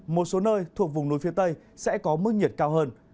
một số nơi thuộc vùng núi phía tây sẽ có mức nhiệt cao hơn